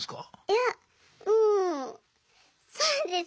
いやもうそうです